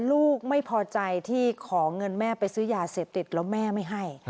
ลูกไม่พอใจที่ขอเงินแม่ไปซื้อยาเสพติดแล้วแม่ไม่ให้